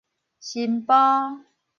新埔